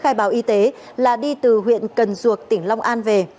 khai báo y tế là đi từ huyện cần duộc tỉnh long an về